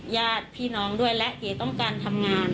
ญาติพี่น้องด้วยและเก๋ต้องการทำงาน